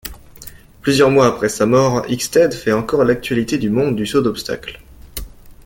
Plusieurs mois après sa mort, Hickstead fait encore l'actualité du monde du saut d'obstacles.